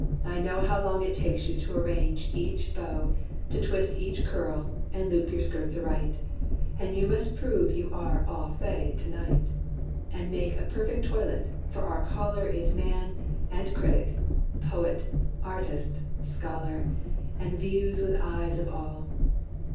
I know How long it takes you to arrange each bow To twist each curl, and loop your skirts aright. And you must prove you are au fait to night, And make a perfect toilet: for our caller Is man, and critic, poet, artist, scholar, And views with eyes of all."